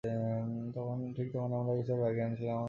ঠিক যখন আমরা কিছুটা বাগিয়ে আনছিলাম, আর একটা পুরুষ ভালুক।